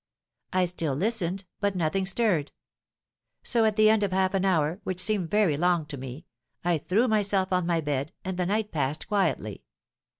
I still listened, but nothing stirred; so at the end of half an hour, which seemed very long to me, I threw myself on my bed, and the night passed quietly.